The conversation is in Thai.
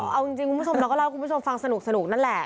เอาจริงคุณผู้ชมเราก็เล่าให้คุณผู้ชมฟังสนุกนั่นแหละ